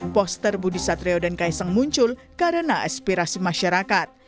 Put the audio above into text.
poster budi satrio dan kaisang muncul karena aspirasi masyarakat